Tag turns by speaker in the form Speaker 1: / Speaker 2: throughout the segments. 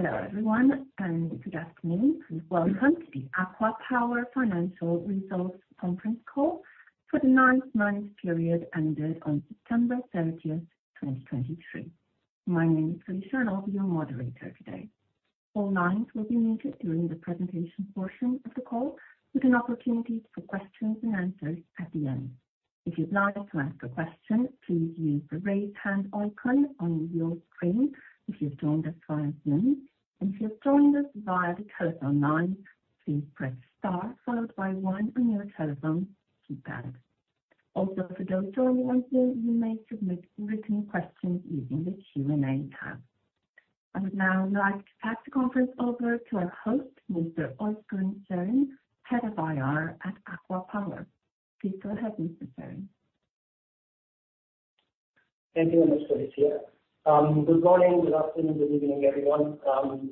Speaker 1: Hello, everyone, good afternoon. Welcome to the ACWA Power Financial Results conference call for the nine months period ended on September 30th, 2023. My name is Alicia, and I'll be your moderator today. All lines will be muted during the presentation portion of the call, with an opportunity for questions and answers at the end. If you'd like to ask a question, please use the raise hand icon on your screen if you've joined us via Zoom. If you've joined us via the telephone line, please press star followed by one on your telephone keypad. Also, for those joining us here, you may submit written questions using the Q&A tab. I would now like to pass the conference over to our host, Mr. Ozgur Dogan, Head of IR at ACWA Power. Please go ahead, Mr. Dogan.
Speaker 2: Thank you very much, Alicia. Good morning, good afternoon, good evening, everyone,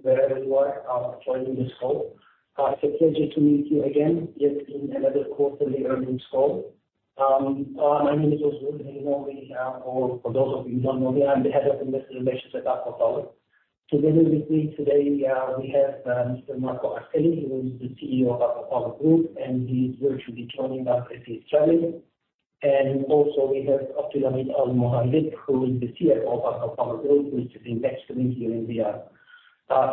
Speaker 2: wherever you are joining this call. It's a pleasure to meet you again, yet in another quarterly earnings call. My name is Ozgur. If you know me, or for those of you who don't know me, I'm the Head of Investor Relations at ACWA Power. Together with me today, we have Mr. Marco Arcelli, who is the CEO of ACWA Power Group, and he is virtually joining us as he is traveling. Also we have Abdulhameed Al-Muhaidib, who is the CFO of ACWA Power Group, who is sitting next to me here in IR.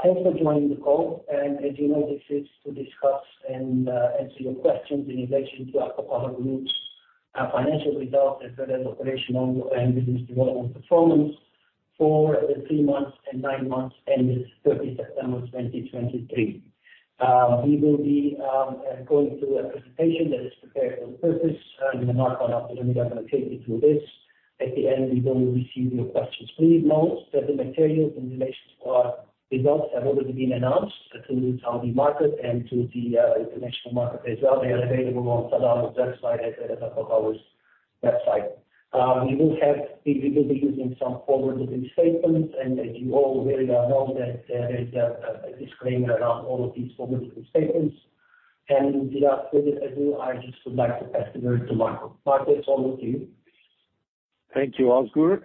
Speaker 2: Thanks for joining the call, and as you know, this is to discuss and answer your questions in relation to ACWA Power Group's financial results as well as operational and business development performance for the three months and nine months ended 30 September 2023. We will be going through a presentation that is prepared for purpose, and Marco and Abdulhameed are going to take you through this. At the end, we will receive your questions. Please note that the materials in relation to our results have already been announced to the Saudi market and to the international market as well. They are available on Tadawul's website as well as ACWA Power's website. We will be using some forward-looking statements, and as you all very well know that there is a disclaimer around all of these forward-looking statements. Without further ado, I just would like to pass it over to Marco. Marco, it's all yours to you.
Speaker 3: Thank you, Ozgur,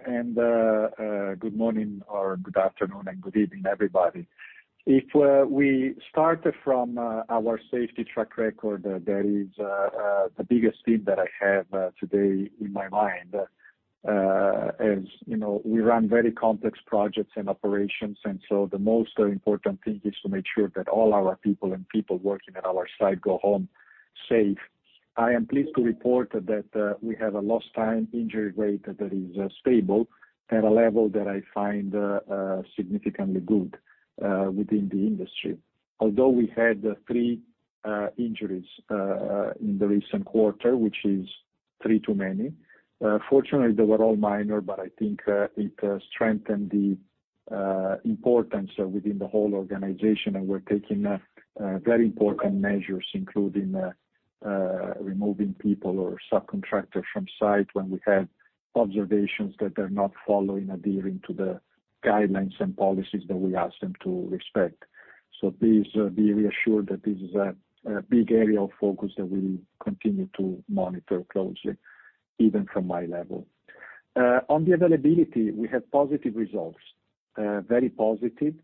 Speaker 3: good morning or good afternoon and good evening, everybody. If we start from our safety track record, that is the biggest theme that I have today in my mind. As you know, we run very complex projects and operations, the most important thing is to make sure that all our people and people working at our site go home safe. I am pleased to report that we have a lost time injury rate that is stable at a level that I find significantly good within the industry. Although we had three injuries in the recent quarter, which is three too many. Fortunately, they were all minor, I think it strengthened the importance within the whole organization, we're taking very important measures, including removing people or subcontractors from site when we have observations that they're not following, adhering to the guidelines and policies that we ask them to respect. Please be reassured that this is a big area of focus that we will continue to monitor closely, even from my level. On the availability, we have positive results, very positive,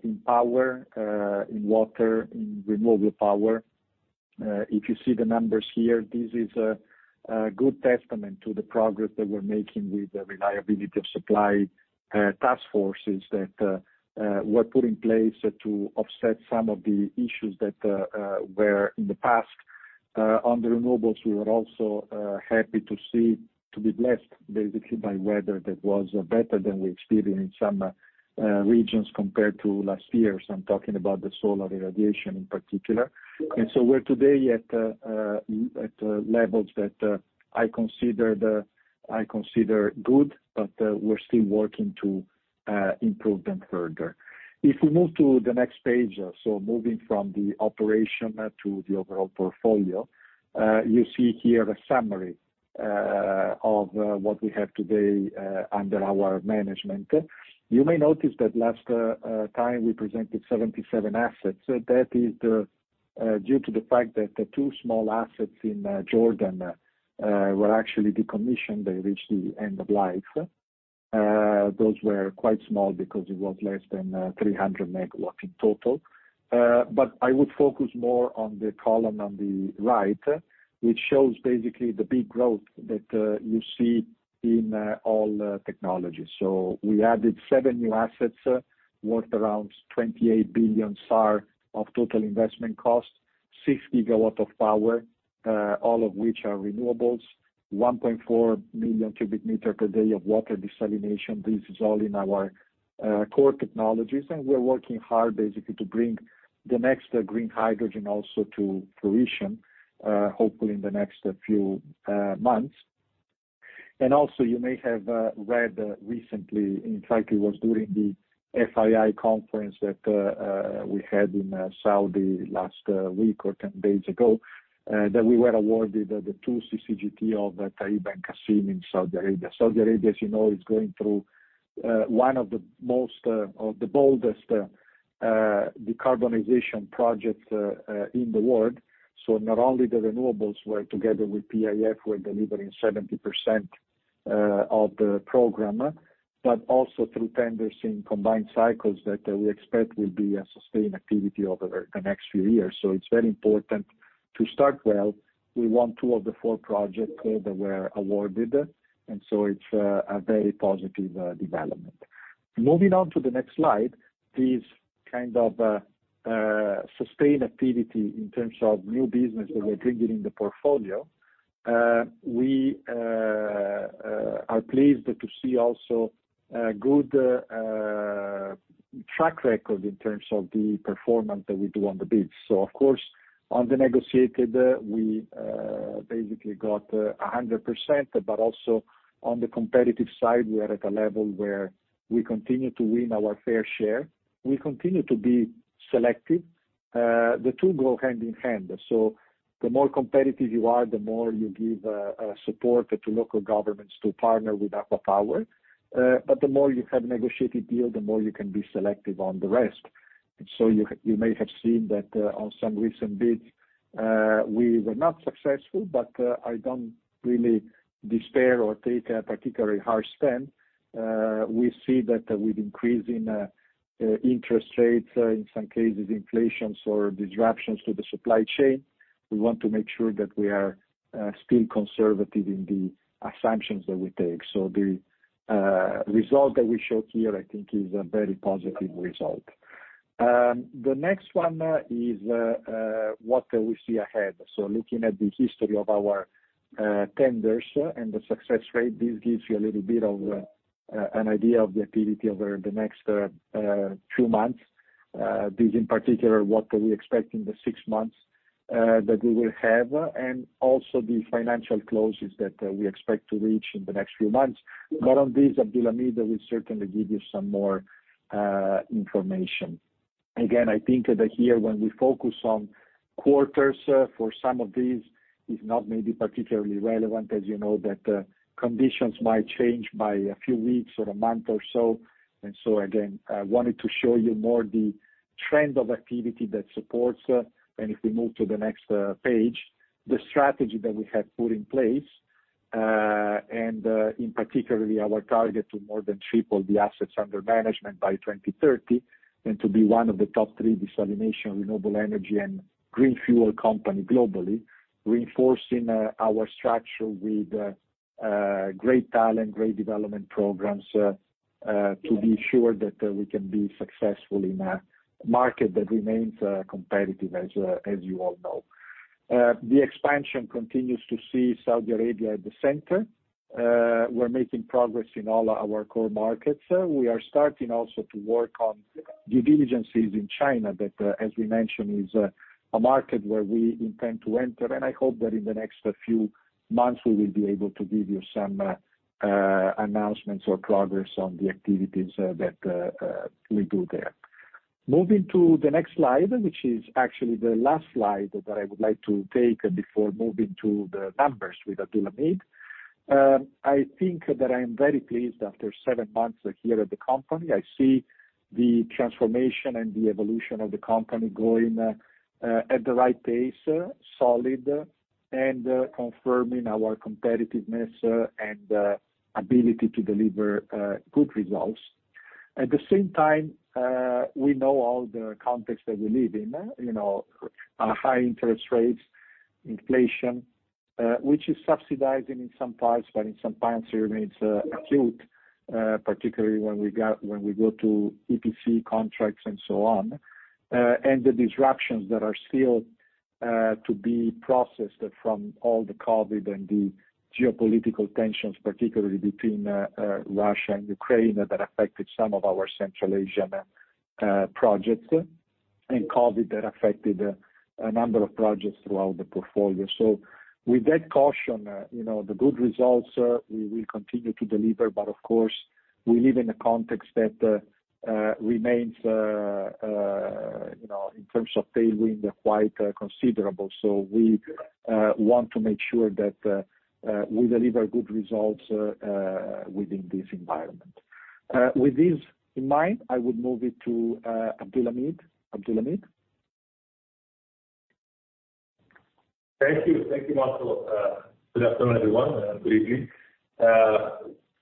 Speaker 3: in power, in water, in renewable power. If you see the numbers here, this is a good testament to the progress that we're making with the reliability of supply task forces that were put in place to offset some of the issues that were in the past. On the renewables, we were also happy to be blessed, basically, by weather that was better than we experienced in some regions compared to last year. I'm talking about the solar irradiation in particular. We're today at levels that I consider good, we're still working to improve them further. If we move to the next page, moving from the operation to the overall portfolio, you see here a summary of what we have today under our management. You may notice that last time we presented 77 assets. That is due to the fact that the two small assets in Jordan were actually decommissioned. They reached the end of life. Those were quite small because it was less than 300 MW in total. I would focus more on the column on the right, which shows basically the big growth that you see in all technologies. We added seven new assets, worth around 28 billion SAR of total investment costs, six GW of power, all of which are renewables, 1.4 million cubic meter per day of water desalination. This is all in our core technologies, we're working hard basically to bring the next green hydrogen also to fruition, hopefully in the next few months. Also, you may have read recently, in fact, it was during the FII conference that we had in Saudi last week or 10 days ago, that we were awarded the two CCGT of Taiba and Qassim in Saudi Arabia. Saudi Arabia, as you know, is going through one of the boldest decarbonization projects in the world. Not only the renewables, where together with PIF, we're delivering 70% of the program, but also through tenders in combined cycles that we expect will be a sustained activity over the next few years. It's very important to start well. We won two of the four projects that were awarded, it's a very positive development. Moving on to the next slide, this kind of sustainability in terms of new business that we're bringing in the portfolio. We are pleased to see also a good track record in terms of the performance that we do on the bids. Of course, on the negotiated, we basically got 100%, but also on the competitive side, we are at a level where we continue to win our fair share. We continue to be selective. The two go hand in hand. The more competitive you are, the more you give support to local governments to partner with ACWA Power. The more you have negotiated deals, the more you can be selective on the rest. You may have seen that on some recent bids, we were not successful, but I don't really despair or take a particularly harsh stand. We see that with increase in interest rates, in some cases inflation, or disruptions to the supply chain, we want to make sure that we are still conservative in the assumptions that we take. The result that we showed here, I think, is a very positive result. The next one is what we see ahead. Looking at the history of our tenders and the success rate, this gives you a little bit of an idea of the activity over the next two months. This in particular, what we expect in the six months that we will have, and also the financial closes that we expect to reach in the next few months. On this, Abdulhameed will certainly give you some more information. Again, I think that here, when we focus on quarters for some of these, it's not maybe particularly relevant, as you know, that conditions might change by a few weeks or a month or so. Again, I wanted to show you more the trend of activity that supports. If we move to the next page, the strategy that we have put in place, and in particular, our target to more than triple the assets under management by 2030 and to be one of the top three desalination, renewable energy, and green fuel company globally, reinforcing our structure with great talent, great development programs, to be sure that we can be successful in a market that remains competitive, as you all know. The expansion continues to see Saudi Arabia at the center. We're making progress in all our core markets. We are starting also to work on due diligences in China that, as we mentioned, is a market where we intend to enter, and I hope that in the next few months, we will be able to give you some announcements or progress on the activities that we do there. Moving to the next slide, which is actually the last slide that I would like to take before moving to the numbers with Abdulhameed. I think that I am very pleased after seven months here at the company. I see the transformation and the evolution of the company going at the right pace, solid, and confirming our competitiveness and ability to deliver good results. At the same time, we know all the context that we live in. High interest rates, inflation, which is subsidizing in some parts, but in some parts remains acute, particularly when we go to EPC contracts and so on. The disruptions that are still to be processed from all the COVID-19 and the geopolitical tensions, particularly between Russia and Ukraine, that affected some of our Central Asian projects, and COVID-19 that affected a number of projects throughout the portfolio. With that caution, the good results we will continue to deliver, but of course, we live in a context that remains, in terms of tailwind, quite considerable. We want to make sure that we deliver good results within this environment. With this in mind, I would move it to Abdulhameed. Abdulhameed?
Speaker 4: Thank you. Thank you, Marco. Good afternoon, everyone, and good evening.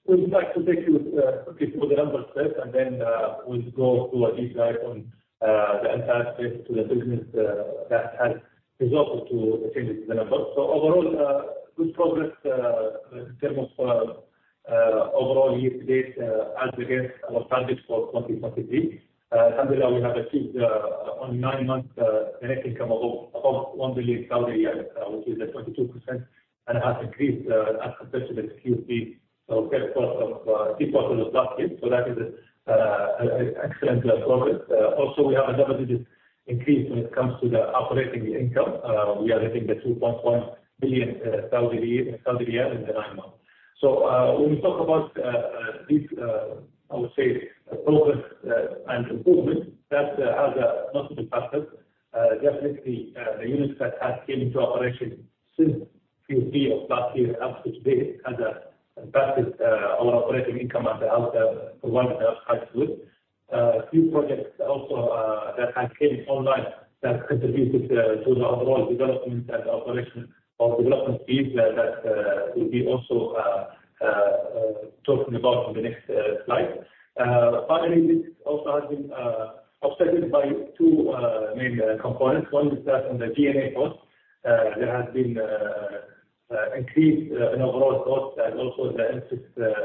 Speaker 4: We would like to take you quickly through the numbers first, and then we'll go to a deep dive on the entire space to the business that has resulted to achieve the numbers. Overall, good progress in terms of overall year to date as against our targets for 2023. Alhamdulillah, we have achieved on nine months a net income above 1 billion, which is a 22%, and has increased as compared to the Q3 of last year. That is excellent progress. Also, we have a double-digit increase when it comes to the operating income. We are hitting the 2.1 billion in the nine months. When we talk about this, I would say progress and improvement, that has multiple factors. Definitely the units that have came into operation since Q3 of last year up to today has impacted our operating income and helped provide high growth. A few projects also that have came online that contributed to the overall operational or development fees that we'll be also talking about in the next slide. Finally, this also has been affected by two main components. One is that on the D&A cost, there has been increase in overall cost and also the interest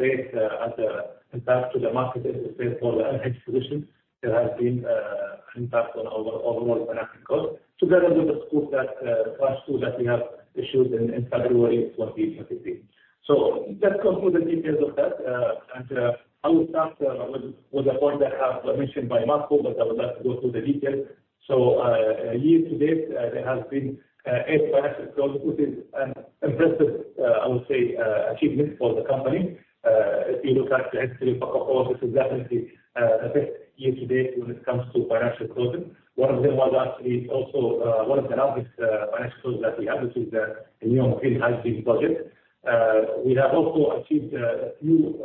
Speaker 4: rate as an impact to the market as the same for the unhedged position. There has been impact on our overall financial cost, together with the Sukuk tranche two that we have issued in February 2023. Let's go through the details of that, and I will start with the point that have mentioned by Marco, but I would like to go through the details. Year-to-date, there has been eight financial close, which is an impressive, I would say, achievement for the company. If you look at the history of ACWA Power, this is definitely the best year-to-date when it comes to financial closing. One of them was actually also one of the largest financial close that we have. This is the new Umm Al Quwain IWP project. We have also achieved a few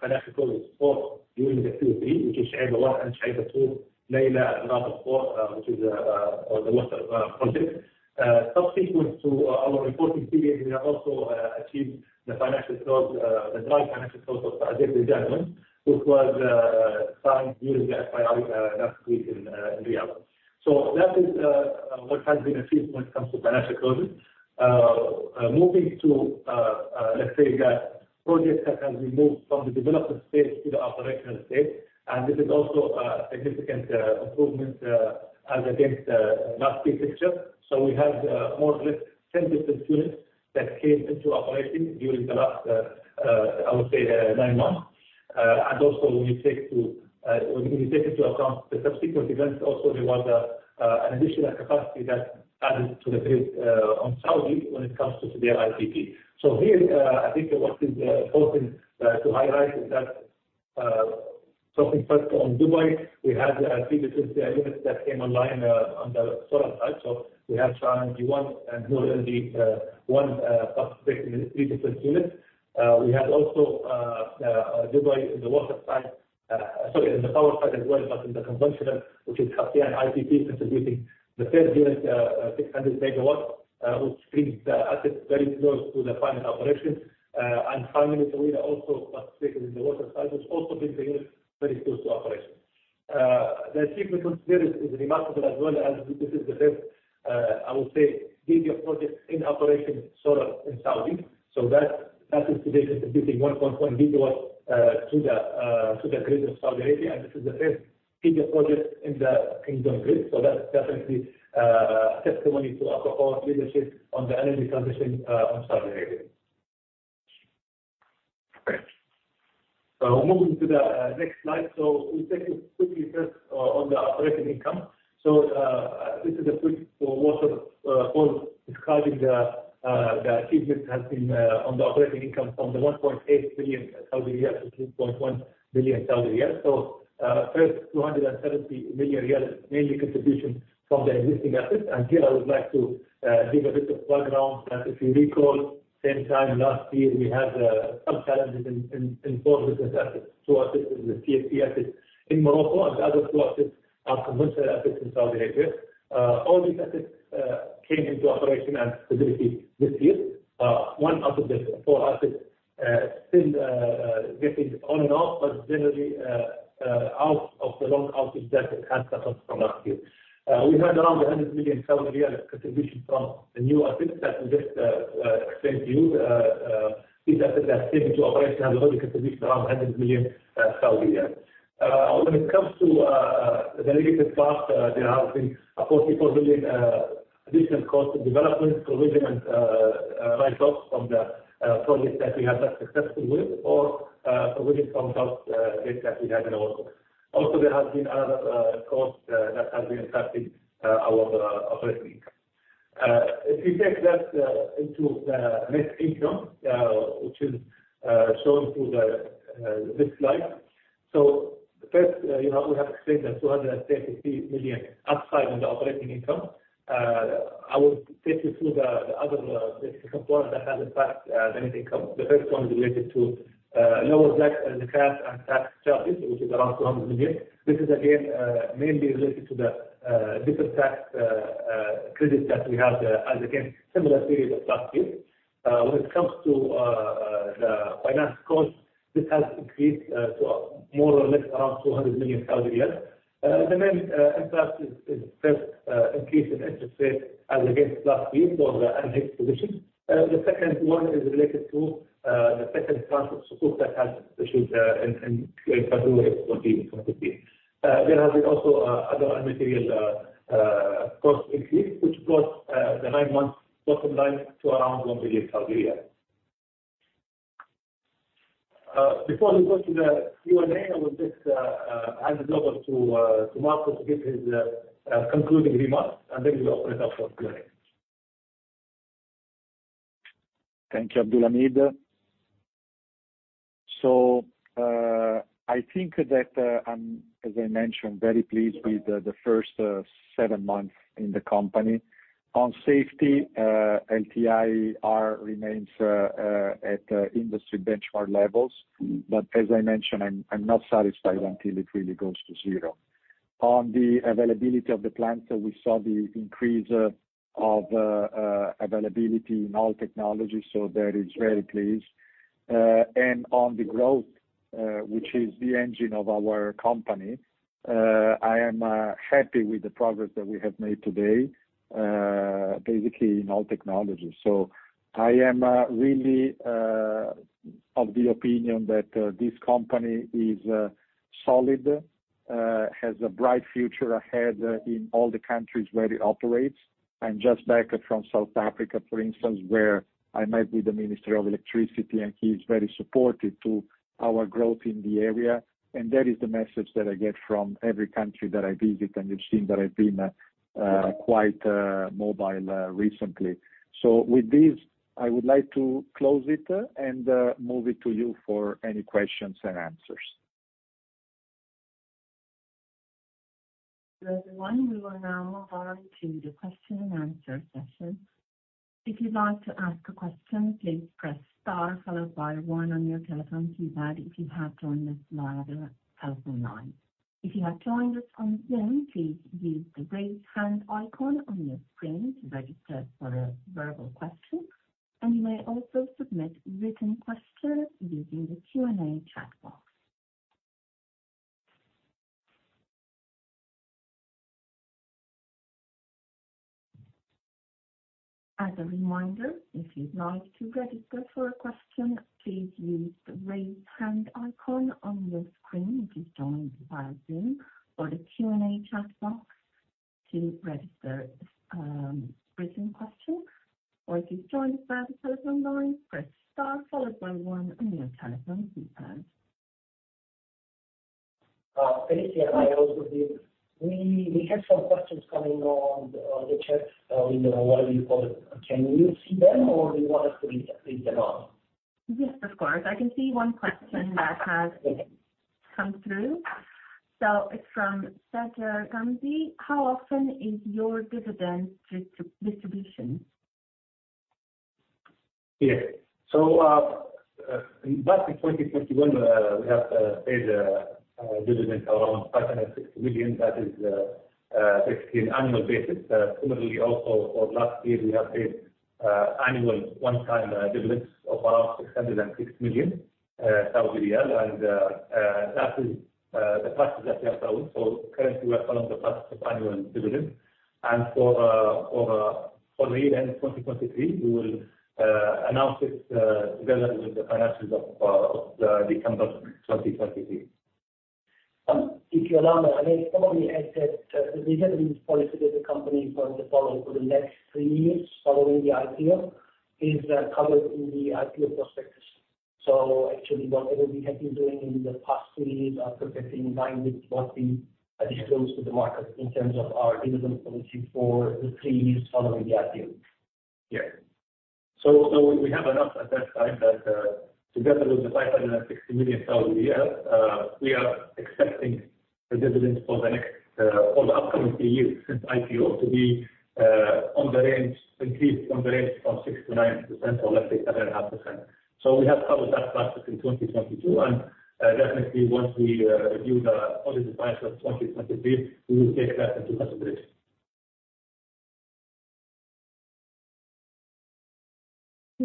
Speaker 4: financial close during the Q3, which is Shuaibah one and Shuaibah two, Layla, Rabigh four which is the water project. Subsequent to our reporting period, we have also achieved the financial close, the dry financial close of Sadr, which was signed during the FII last week in Riyadh. That is what has been achieved when it comes to financial closing. Moving to the project that has been moved from the development phase to the operational phase. This is also a significant improvement as against last year picture. We have more or less 10 different units that came into operating during the last nine months. Also when you take into account the subsequent events also, there was an additional capacity that added to the grid on Saudi when it comes to Badan IPP. Here, what is important to highlight is that, talking first on Dubai, we had 3 different units that came online on the solar side. We have Sharq one and Murrieti one participating in 3 different units. We have also Dubai in the water side, sorry, in the power side as well, but in the conventional, which is Hatta IPP contributing the third unit, 600 MW, which brings the asset very close to the final operation. Finally, Tuwaiq also participating in the water side, which also brings the unit very close to operation. The significance here is remarkable as well, as this is the first mega project in operation solar in Saudi. That is today contributing 1.1 GW to the grid of Saudi Arabia, and this is the first mega project in the kingdom grid. That's definitely a testimony to ACWA Power leadership on the energy transition on Saudi Arabia. Moving to the next slide. We take a quick look first on the operating income. This is a quick waterfall describing the achievement has been on the operating income from 1.8 billion Saudi riyal to 3.1 billion Saudi riyal. First 270 million riyal mainly contribution from the existing assets. Here I would like to give a bit of background that if you recall same time last year, we had some challenges in 4 business assets, 2 assets in the CSP assets in Morocco and the other 2 assets are conventional assets in Saudi Arabia. All these assets came into operation and stability this year. One out of the 4 assets still getting on and off, but generally out of the long outage that it had suffered from last year. We had around 100 million contribution from the new assets that we just explained to you. These assets that came into operation have already contributed around SAR 100 million. When it comes to the negative part, there have been approximately 4 billion additional cost of development provision and write-offs from the projects that we have been successful with or provision from past debt that we had in our books. Also, there has been other costs that have been impacting our operating income. If we take that into net income, which is shown through this slide. First, we have explained that 233 million upside on the operating income. I will take you through the other components that have impact the net income. The first one is related to lower tax and cash and tax charges, which is around 200 million. This is again, mainly related to the different tax credits that we have as against similar period of last year. When it comes to the finance cost, this has increased to more or less around 200 million Saudi riyals. The main impact is first increase in interest rate as against last year for the unhedged position. The second one is related to the second tranche of Sukuk that has issued in February 2023. There has been also other immaterial cost increase, which brought the nine-month bottom line to around 1 billion. Before we go to the Q&A, I will just hand it over to Marco to give his concluding remarks, and then we will open it up for Q&A.
Speaker 3: Thank you, Abdulnimer. I think that, as I mentioned, very pleased with the first seven months in the company. On safety, LTIR remains at industry benchmark levels. As I mentioned, I'm not satisfied until it really goes to zero. On the availability of the plants that we saw the increase of availability in all technologies, that is very pleased. On the growth, which is the engine of our company, I am happy with the progress that we have made today, basically in all technologies. I am really of the opinion that this company is solid, has a bright future ahead in all the countries where it operates. I'm just back from South Africa, for instance, where I met with the minister of electricity, and he's very supportive to our growth in the area. That is the message that I get from every country that I visit, and you've seen that I've been quite mobile recently. With this, I would like to close it and move it to you for any questions and answers.
Speaker 1: Everyone, we will now move on to the question and answer session. If you'd like to ask a question, please press star followed by one on your telephone keypad if you have joined us via the telephone line. If you have joined us on Zoom, please use the raise hand icon on your screen to register for a verbal question, and you may also submit written questions using the Q&A chat box. As a reminder, if you'd like to register for a question, please use the raise hand icon on your screen if you've joined via Zoom, or the Q&A chat box to register a written question. If you've joined us via the telephone line, press star followed by one on your telephone keypad.
Speaker 2: Alicia, we have some questions coming on the chat window while you call. Can you see them, or do you want us to read them out?
Speaker 1: Yes, of course. I can see one question that has come through. It's from Sajid Al Ghamdi, "How often is your dividend distribution?
Speaker 4: Yes. In back in 2021, we have paid a dividend around 560 million. That is, basically in annual basis. Similarly, also for last year, we have paid annual one-time dividends of around 606 million, that is the practice that we have followed. Currently we are following the practice of annual dividend. For the year end 2023, we will announce it together with the financials of December 2023.
Speaker 2: If you allow me, I may probably add that the dividend policy that the company going to follow for the next three years following the IPO is covered in the IPO prospectus. Actually, whatever we have been doing in the past three years are perfectly in line with what we disclose to the market in terms of our dividend policy for the three years following the IPO.
Speaker 4: Yes. We have announced at that time that together with the 560 million, we are expecting the dividend for the upcoming three years since IPO to be increased from the range from 6%-9%, or let's say 7.5%. We have covered that practice in 2022 and definitely once we review the audit advice of 2023, we will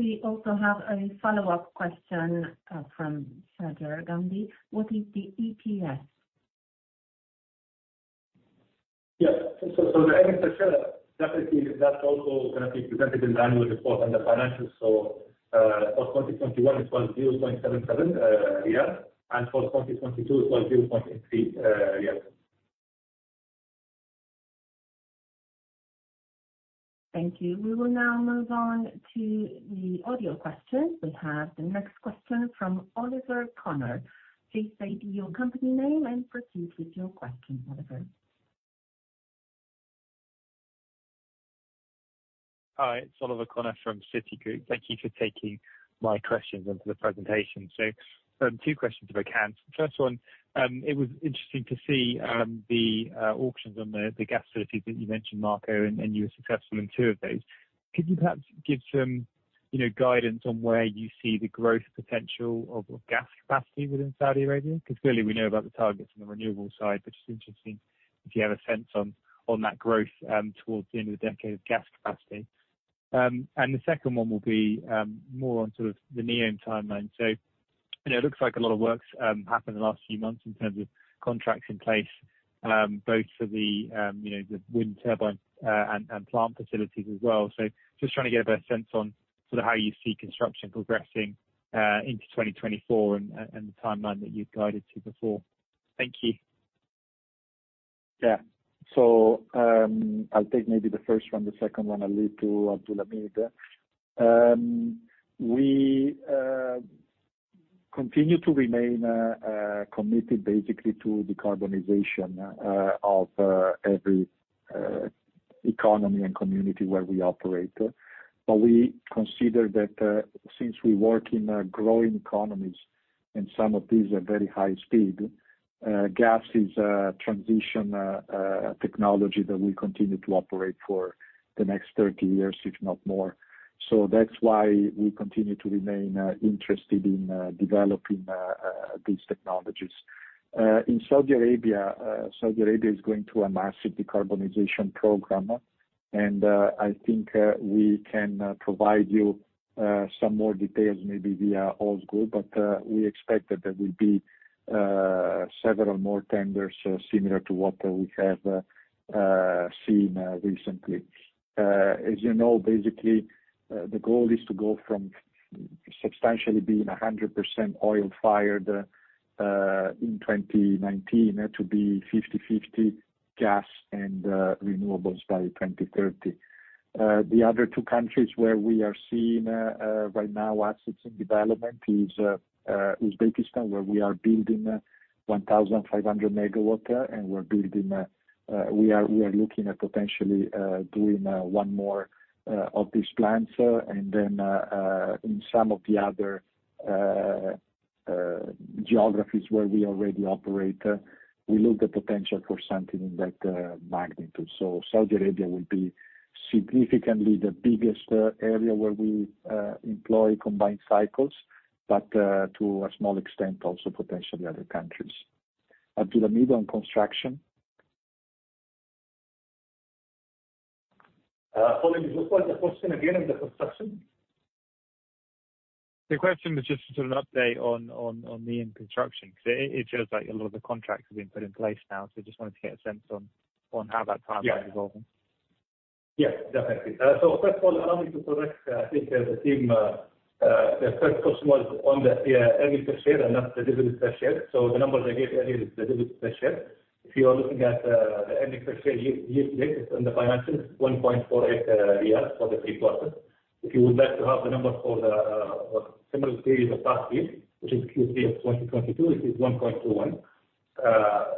Speaker 4: take that into consideration.
Speaker 1: We also have a follow-up question from Sajid Al Ghamdi, "What is the EPS?
Speaker 4: Yes. The earnings per share, definitely that also is going to be presented in the annual report and the financials. For 2021 it was SAR 0.77, and for 2022 it was SAR 0.83.
Speaker 1: Thank you. We will now move on to the audio questions. We have the next question from Oliver Connor. Please state your company name and proceed with your question, Oliver.
Speaker 5: Hi, it's Oliver Connor from Citigroup. Thank you for taking my questions and for the presentation. Two questions if I can. First one, it was interesting to see the auctions on the gas facilities that you mentioned, Marco, and you were successful in two of those. Could you perhaps give some guidance on where you see the growth potential of gas capacity within Saudi Arabia? Because clearly we know about the targets on the renewable side, but just interesting if you have a sense on that growth towards the end of the decade of gas capacity. The second one will be more on sort of the NEOM timeline. It looks like a lot of work's happened in the last few months in terms of contracts in place, both for the wind turbine and plant facilities as well. Just trying to get a better sense on sort of how you see construction progressing into 2024 and the timeline that you've guided to before. Thank you.
Speaker 3: Yeah. I'll take maybe the first one. The second one I'll leave to Abdulaziz. We continue to remain committed basically to decarbonization of every economy and community where we operate. We consider that since we work in growing economies, and some of these are very high speed, gas is a transition technology that will continue to operate for the next 30 years, if not more. That's why we continue to remain interested in developing these technologies. In Saudi Arabia, Saudi Arabia is going through a massive decarbonization program, and I think we can provide you some more details maybe via Osgoode, but we expect that there will be several more tenders similar to what we have seen recently. As you know, basically, the goal is to go from substantially being 100% oil-fired in 2019 to be 50/50 gas and renewables by 2030. The other two countries where we are seeing right now assets in development is Uzbekistan, where we are building 1,500 MW. We are looking at potentially doing one more of these plants. In some of the other geographies where we already operate, we look at potential for something in that magnitude. Saudi Arabia will be significantly the biggest area where we employ combined cycles, but to a small extent, also potentially other countries. To the medium construction?
Speaker 4: Colin, what was the question again on the construction?
Speaker 5: The question was just sort of an update on the in-construction, because it feels like a lot of the contracts have been put in place now. Just wanted to get a sense on how that timeline is evolving.
Speaker 4: Yes, definitely. First of all, allow me to correct, I think the team, the first question was on the earnings per share and not the dividend per share. The number I gave earlier is the dividend per share. If you are looking at the earnings per share year to date in the financials, 1.48 for the three quarters. If you would like to have the number for the similar period of last year, which is Q3 2022, it is 1.21.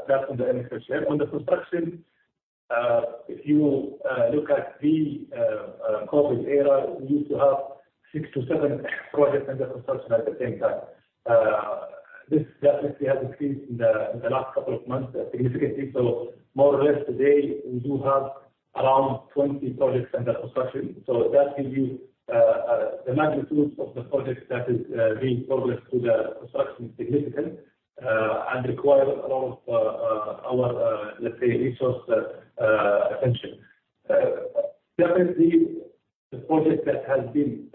Speaker 4: That's on the earnings per share. On the construction, if you look at the COVID-19 era, we used to have six to seven projects under construction at the same time. This definitely has increased in the last couple of months significantly. More or less today, we do have around 20 projects under construction. That gives you the magnitude of the projects that is being progressed to the construction is significant, and require a lot of our, let's say, resource attention. Definitely the project that has been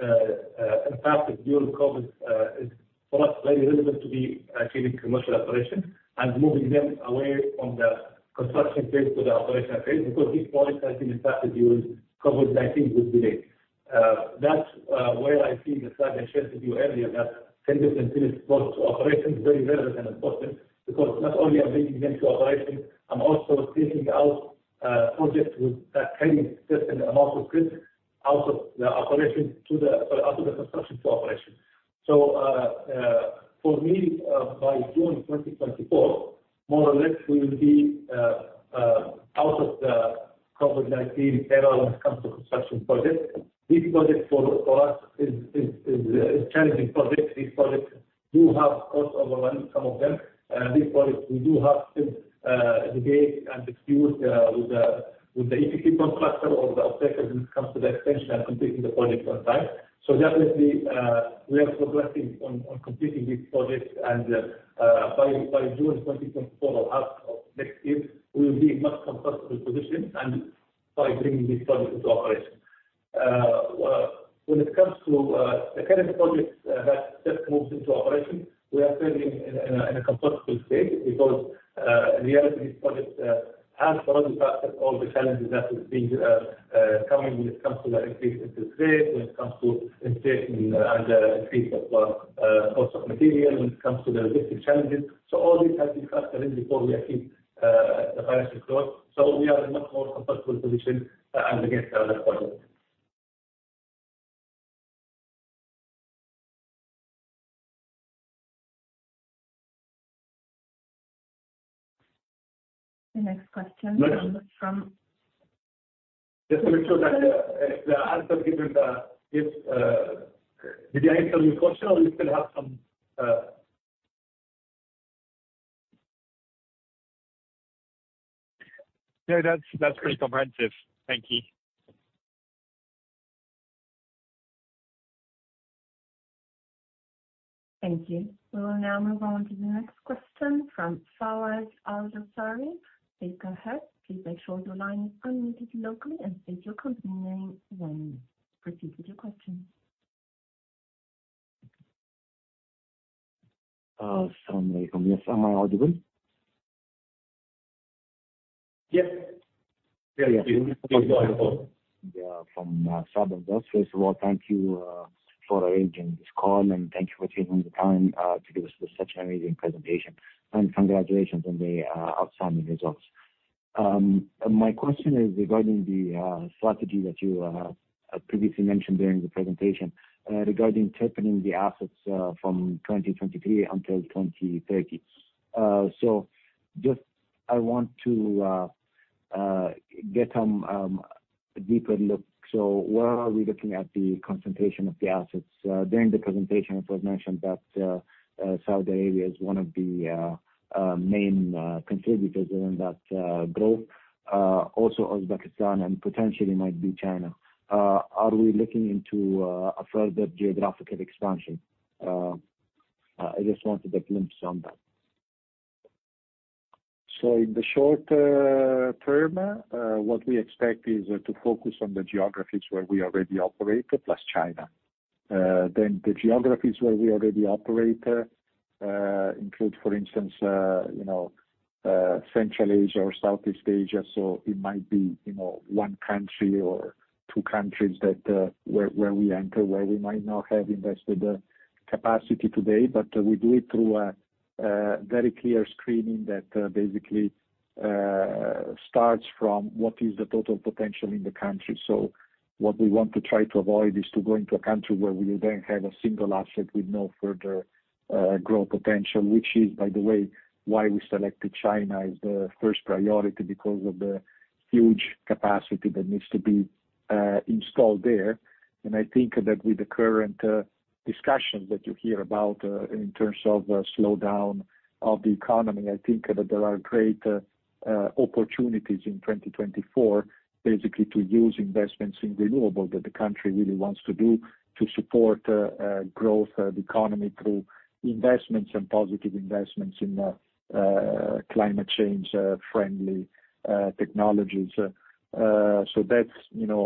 Speaker 4: impacted during COVID-19 is for us very relevant to the achieving commercial operation and moving them away from the construction phase to the operational phase. Because these projects have been impacted during COVID-19 with delay. That's where I see the slide I shared with you earlier, that tenders and finished projects to operations is very relevant and important, because not only I'm bringing them to operations, I'm also taking out projects with a heavy certain amount of risk out of the construction to operations. For me, by June 2024, more or less, we will be out of the COVID-19 era when it comes to construction projects. These projects for us is challenging projects. These projects do have cost overrun, some of them. These projects we do have to engage and discuss with the EPC contractor or the offtake when it comes to the extension and completing the project on time. Definitely, we are progressing on completing these projects and by June 2024 or half of next year, we will be in much comfortable position and start bringing these projects into operation. When it comes to the current projects that just moved into operation, we are fairly in a comfortable state because in reality, these projects have already factored all the challenges that will be coming when it comes to the increase in interest rates, when it comes to inflation and increase of cost of material, when it comes to the existing challenges. All this has been factored in before we achieve financial close. We are in much more comfortable position as against the other projects.
Speaker 1: The next question from-
Speaker 4: Just to make sure that the answer given is Did I answer your question, or you still have some?
Speaker 5: No, that's pretty comprehensive. Thank you.
Speaker 1: Thank you. We will now move on to the next question from Faraz Al Jasari. Please go ahead. Please make sure your line is unmuted locally, and state your company name when you proceed with your question.
Speaker 6: As-salamu alaykum. Yes. Am I audible?
Speaker 4: Yes. Yes, please go ahead.
Speaker 6: From Sedco Capital. First of all, thank you for arranging this call, and thank you for taking the time to give us such an amazing presentation, and congratulations on the outstanding results. My question is regarding the strategy that you previously mentioned during the presentation regarding interpreting the assets from 2023 until 2030. Just I want to get some deeper look. Where are we looking at the concentration of the assets? During the presentation, it was mentioned that Saudi Arabia is one of the main contributors in that growth, also Uzbekistan and potentially might be China. Are we looking into a further geographical expansion?
Speaker 3: I just wanted a glimpse on that. In the short term, what we expect is to focus on the geographies where we already operate, plus China. The geographies where we already operate include, for instance, Central Asia or Southeast Asia. It might be one country or two countries where we enter, where we might not have invested the capacity today. We do it through a very clear screening that basically starts from what is the total potential in the country. What we want to try to avoid is to go into a country where we then have a single asset with no further growth potential, which is, by the way, why we selected China as the first priority, because of the huge capacity that needs to be installed there. I think that with the current discussions that you hear about in terms of a slowdown of the economy, I think that there are great opportunities in 2024 basically to use investments in renewable that the country really wants to do to support growth of the economy through investments and positive investments in climate change friendly technologies. That's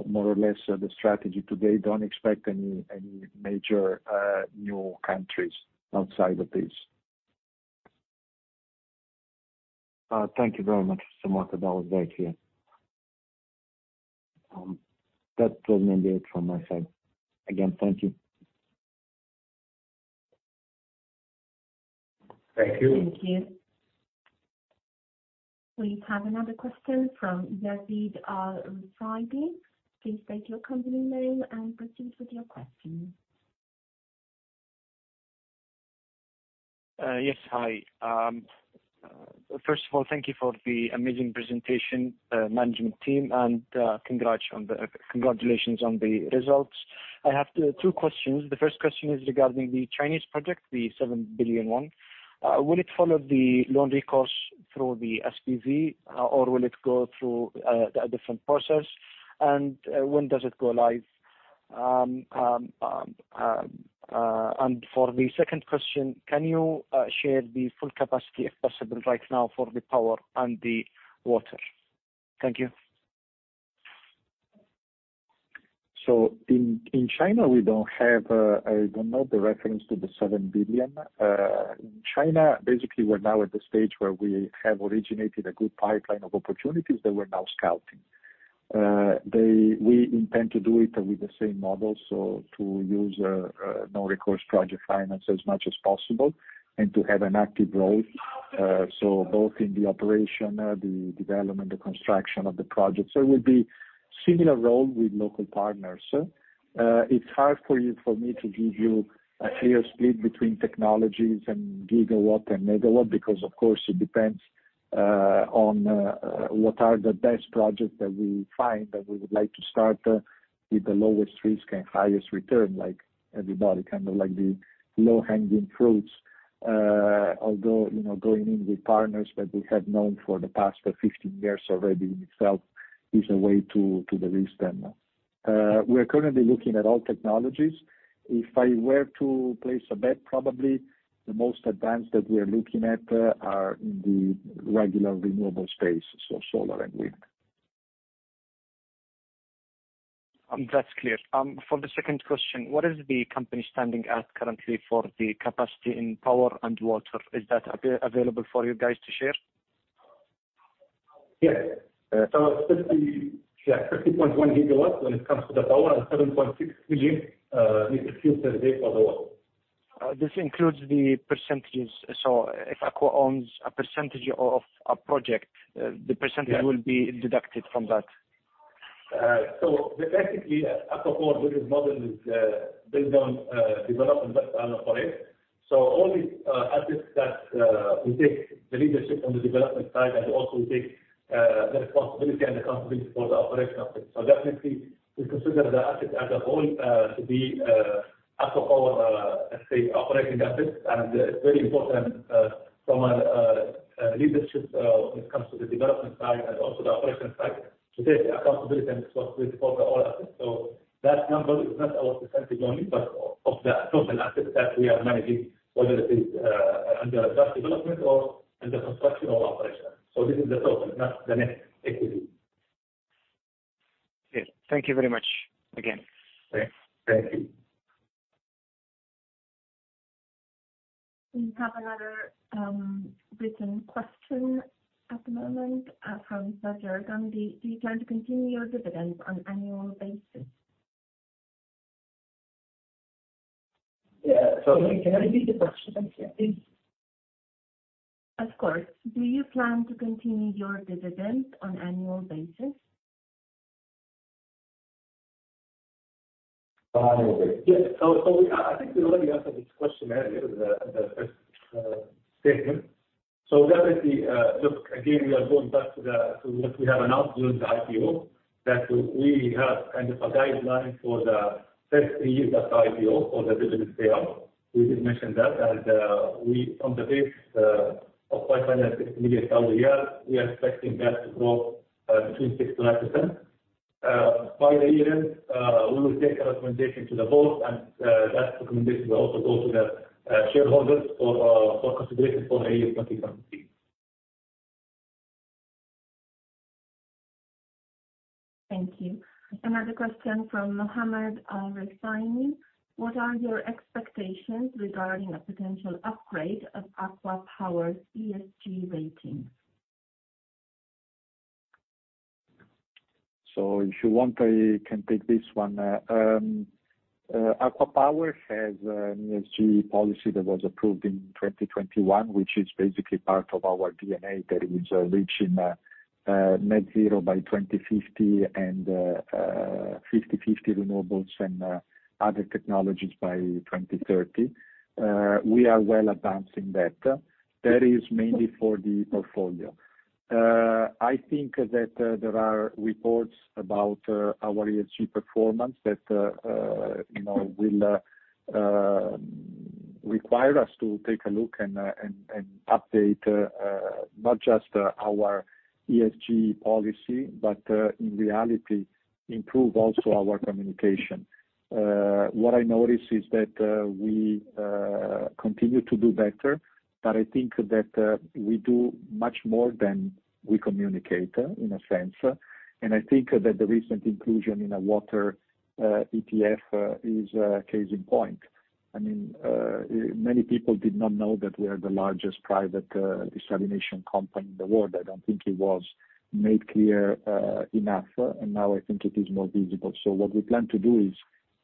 Speaker 3: more or less the strategy today. Don't expect any major new countries outside of this. Thank you very much, Samir. That was very clear. That was mainly it from my side. Again, thank you.
Speaker 4: Thank you.
Speaker 1: Thank you. We have another question from Yazeed Al-Rajhi. Please state your company name and proceed with your question.
Speaker 7: Yes. Hi. First of all, thank you for the amazing presentation, management team, and congratulations on the results. I have two questions. The first question is regarding the Chinese project, the 7 billion one. Will it follow the loan recourse through the SPV, or will it go through a different process, and when does it go live? For the second question, can you share the full capacity, if possible, right now for the power and the water? Thank you.
Speaker 3: In China, we don't have I don't know the reference to the 7 billion. In China, basically, we're now at the stage where we have originated a good pipeline of opportunities that we're now scouting. We intend to do it with the same model, to use no recourse project finance as much as possible and to have an active role. Both in the operation, the development, the construction of the project. It will be similar role with local partners. It's hard for me to give you a clear split between technologies and gigawatt and megawatt because, of course, it depends on what are the best projects that we find that we would like to start with the lowest risk and highest return, like everybody. Kind of like the low-hanging fruits. Although, going in with partners that we have known for the past 15 years already in itself is a way to de-risk them. We are currently looking at all technologies. If I were to place a bet, probably the most advanced that we are looking at are in the regular renewable space, so solar and wind.
Speaker 7: That's clear. For the second question, what is the company standing at currently for the capacity in power and water? Is that available for you guys to share?
Speaker 4: Yes. It's 50.1 GW when it comes to the power and 7.6 million liters per day for the water.
Speaker 7: This includes the percentages. If ACWA owns a percentage of a project, the percentage will be deducted from that?
Speaker 4: Basically, ACWA Power business model is built on development. Only assets that we take the leadership on the development side and also we take the responsibility and accountability for the operation of it. Definitely we consider the asset as a whole to be ACWA Power, let's say, operating assets. It's very important from a leadership when it comes to the development side and also the operation side to take accountability and responsibility for the whole asset. That number is not our percentage only, but of the total assets that we are managing, whether it is under that development or under construction or operation. This is the total, not the net equity.
Speaker 7: Yes. Thank you very much again.
Speaker 4: Thanks. Thank you.
Speaker 1: We have another written question at the moment from Sir Jeremy. Do you plan to continue your dividend on annual basis?
Speaker 4: Yeah. Sorry, can you repeat the question? Thank you.
Speaker 1: Of course. Do you plan to continue your dividend on annual basis?
Speaker 4: Yes. I think we already answered this question earlier in the first segment. Definitely, look, again, we are going back to what we have announced during the IPO, that we have kind of a guideline for the first three years after IPO for the dividend payout. We did mention that. On the base of $560 million a year, we are expecting that to grow between 6%-9%. By the year end, we will take a recommendation to the board, and that recommendation will also go to the shareholders for consideration for FY 2023.
Speaker 1: Thank you. Another question from Mohammed Aloraini. What are your expectations regarding a potential upgrade of ACWA Power's ESG rating?
Speaker 3: If you want, I can take this one. ACWA Power has an ESG policy that was approved in 2021, which is basically part of our D&A, that is reaching net zero by 2050 and 50/50 renewables and other technologies by 2030. We are well advancing that. That is mainly for the portfolio. I think that there are reports about our ESG performance that will require us to take a look and update not just our ESG policy, but in reality, improve also our communication. What I notice is that we continue to do better, but I think that we do much more than we communicate, in a sense. I think that the recent inclusion in a water ETF is a case in point. Many people did not know that we are the largest private desalination company in the world. I don't think it was made clear enough, and now I think it is more visible. What we plan to do is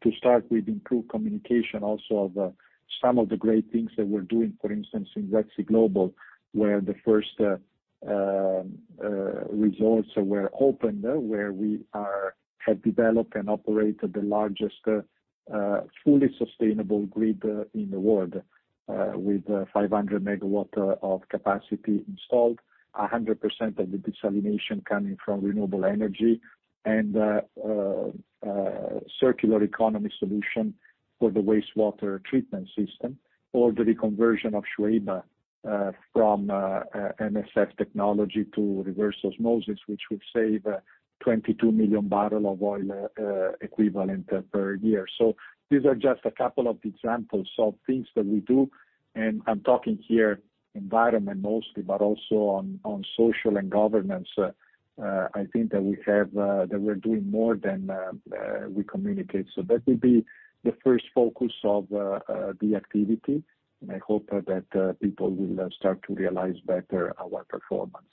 Speaker 3: to start with improved communication also of some of the great things that we're doing, for instance, in Red Sea Global, where the first resorts were opened, where we have developed and operate the largest, fully sustainable grid in the world, with 500 MW of capacity installed, 100% of the desalination coming from renewable energy and circular economy solution for the wastewater treatment system, or the reconversion of Shuaibah from MSF technology to reverse osmosis, which will save 22 million barrels of oil equivalent per year. These are just a couple of examples of things that we do, and I'm talking here environment mostly, but also on social and governance. I think that we're doing more than we communicate. That will be the first focus of the activity, and I hope that people will start to realize better our performance.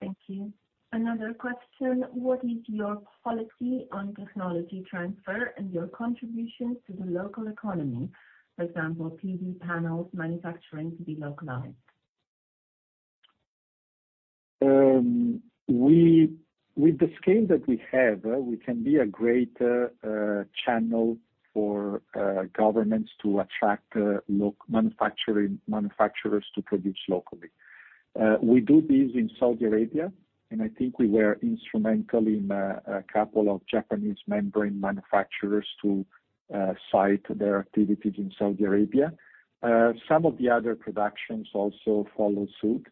Speaker 1: Thank you. Another question. What is your policy on technology transfer and your contribution to the local economy? For example, PV panels manufacturing to be localized.
Speaker 3: With the scale that we have, we can be a great channel for governments to attract manufacturers to produce locally. We do this in Saudi Arabia, and I think we were instrumental in a couple of Japanese membrane manufacturers to site their activities in Saudi Arabia. Some of the other productions also follow suit.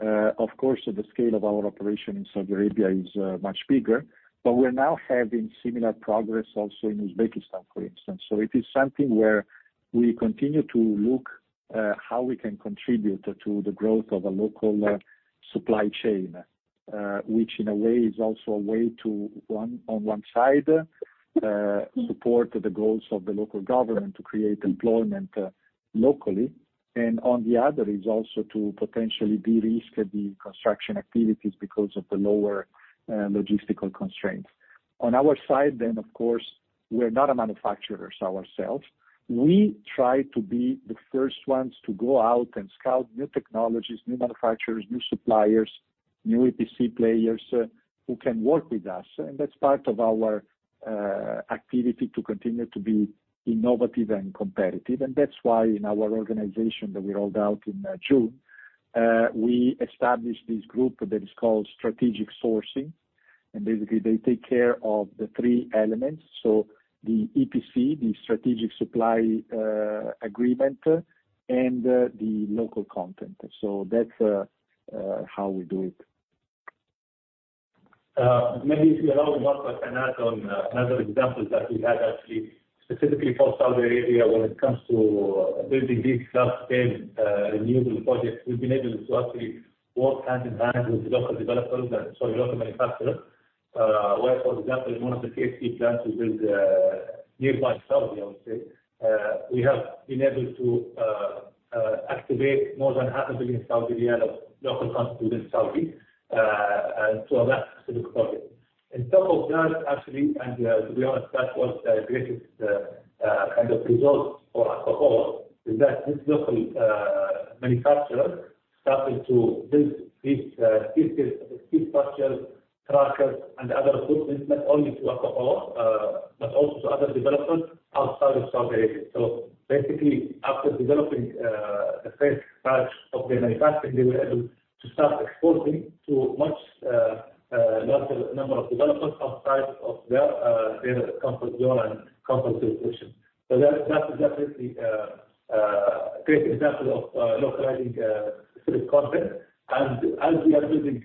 Speaker 3: Of course, the scale of our operation in Saudi Arabia is much bigger, but we're now having similar progress also in Uzbekistan, for instance. It is something where we continue to look how we can contribute to the growth of a local supply chain, which in a way is also a way to, on one side, support the goals of the local government to create employment locally, and on the other, is also to potentially de-risk the construction activities because of the lower logistical constraints. On our side, of course, we are not manufacturers ourselves. We try to be the first ones to go out and scout new technologies, new manufacturers, new suppliers, new EPC players who can work with us. That's part of our activity to continue to be innovative and competitive. That's why in our organization that we rolled out in June, we established this group that is called strategic sourcing, and basically they take care of the three elements. The EPC, the strategic supply agreement, and the local content. That's how we do it.
Speaker 4: Maybe if you allow me, Martha, I can add on another example that we had actually specifically for Saudi Arabia when it comes to building these large-scale renewable projects. We've been able to actually work hand in hand with local manufacturers, where, for example, in one of the KACST plants we build nearby Saudi, I would say, we have been able to activate more than half a billion Saudi Riyal of local content within Saudi into that specific project. On top of that, actually, and to be honest, that was the greatest kind of result for ACWA Power, is that this local manufacturer started to build these structures, trackers and other equipment, not only to ACWA Power, but also to other developers outside of Saudi Arabia. Basically, after developing the first batch of the manufacturing, they were able to start exporting to much larger number of developers outside of their comfort zone and comfort situation. That's exactly a great example of localizing specific content. As we are building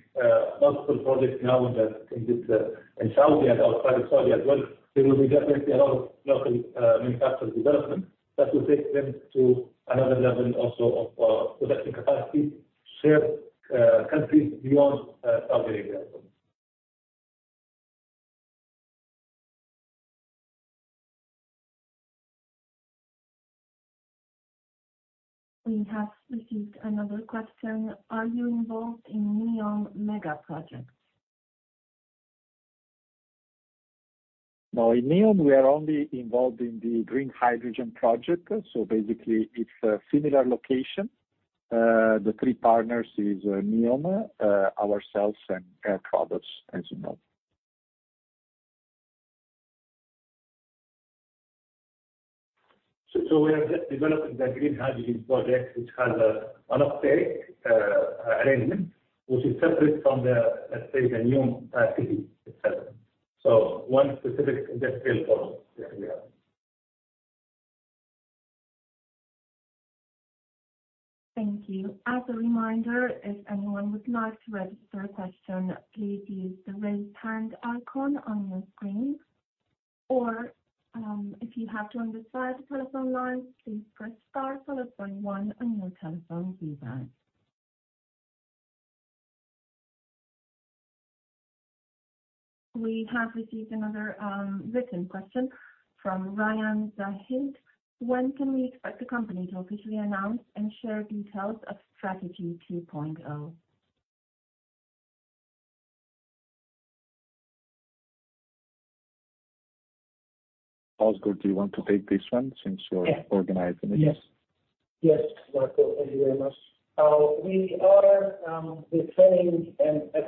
Speaker 4: multiple projects now in Saudi and outside Saudi as well, there will definitely be a lot of local manufacturer development that will take them to another level also of production capacity to serve countries beyond Saudi Arabia.
Speaker 1: We have received another question. Are you involved in NEOM mega projects?
Speaker 3: No. In NEOM, we are only involved in the green hydrogen project. Basically, it's a similar location. The three partners is NEOM, ourselves, and Air Products, as you know.
Speaker 4: We are just developing the green hydrogen project, which has a monopaxillic arrangement, which is separate from the, let's say, the NEOM city itself. One specific industrial zone that we are.
Speaker 1: Thank you. As a reminder, if anyone would like to register a question, please use the raise hand icon on your screen, or if you have joined us via the telephone line, please press star followed by one on your telephone keypad. We have received another written question from Rayan Zahid. When can we expect the company to officially announce and share details of Strategy 2.0?
Speaker 3: Ozgur, do you want to take this one since you're organizing it?
Speaker 2: Yes. Yes, Marco, thank you very much. We are preparing a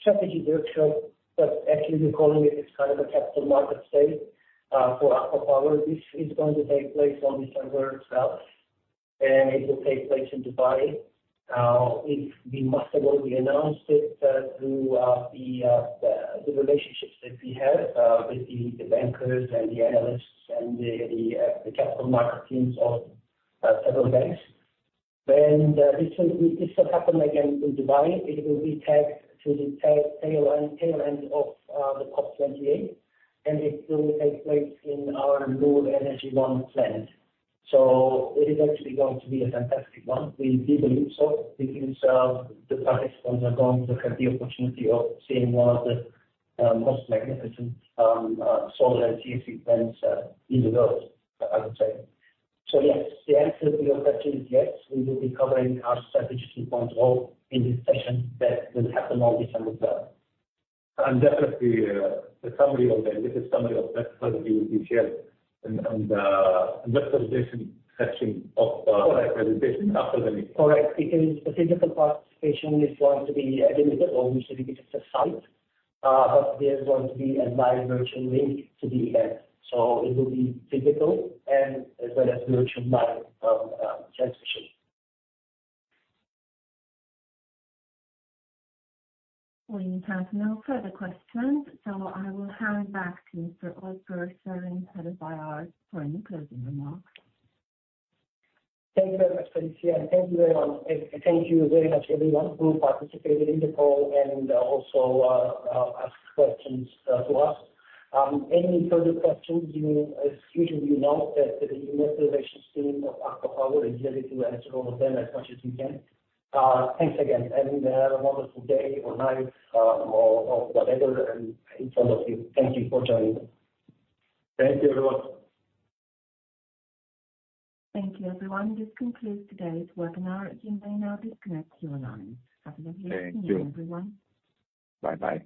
Speaker 2: strategy workshop. Actually, we're calling it as kind of a capital market day for ACWA Power, which is going to take place on December 12th, and it will take place in Dubai. We massively announced it through the relationships that we have with the bankers and the analysts and the capital market teams of several banks. This will happen again in Dubai. It will be tagged to the tail end of the COP28, and it will take place in our new Noor Energy 1 plant. It is actually going to be a fantastic one. We do believe so because the participants are going to have the opportunity of seeing one of the most magnificent solar and EPC events in the world, I would say. Yes, the answer to your question is yes. We will be covering our Strategy 2.0 in this session that will happen on December 12th.
Speaker 4: definitely, the summary of the investor presentation session.
Speaker 2: Correct.
Speaker 4: -presentation after the meeting.
Speaker 2: The physical participation is going to be limited, or we should be just a site, but there's going to be a live virtual link to the event. It will be physical and as well as virtual live transmission.
Speaker 1: We have no further questions. I will hand back to Mr. Ozgur Sahin, Head of IR, for any closing remarks.
Speaker 2: Thank you very much, Alicia. Thank you very much, everyone, who participated in the call and also asked questions to us. Any further questions you may have, usually we announce that the investor relations team of ACWA Power is ready to answer all of them as much as we can. Thanks again. Have a wonderful day or night or whatever in front of you. Thank you for joining us.
Speaker 4: Thank you, everyone.
Speaker 1: Thank you, everyone. This concludes today's webinar. You may now disconnect your lines. Have a lovely evening, everyone.
Speaker 3: Thank you. Bye-bye.